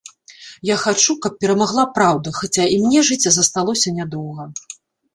Я хачу, каб перамагла праўда, хаця і мне жыць засталося нядоўга.